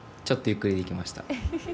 ちょっとゆっくりできました。